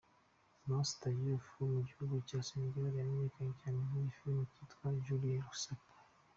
Mouss Diouf wo mu gihugu cya Senegal yamenyekanye cyane muri filimi yitwa Julie Lescaut.